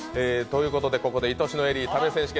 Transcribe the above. ここで「いとしのエリータメの部分選手権」